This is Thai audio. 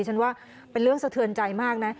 ฉันว่าเป็นเรื่องสะเทือนใจมากนะ